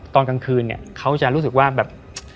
ตอนกลางคืนเนี่ยเขาจะรู้สึกว่าแบบ